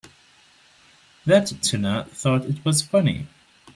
That Tina thought it was funny!